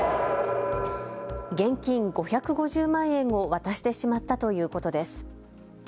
現金５５０万円を渡してしまったということです。